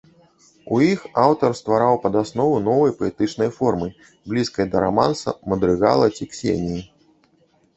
У іх аўтар ствараў падаснову новай паэтычнай формы, блізкай да раманса, мадрыгала ці ксеніі.